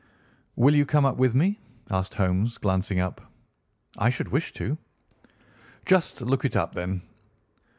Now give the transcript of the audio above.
"Will you come with me?" asked Holmes, glancing up. "I should wish to." "Just look it up, then."